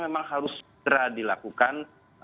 memang harus segera dilakukan